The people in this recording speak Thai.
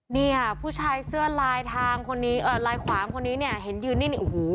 นี่ค่ะผู้ชายเสื้อลายทางคนนี้เอ่อลายขวางคนนี้เนี่ยเห็นยืนนี่โอ้โห